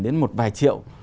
đến một vài triệu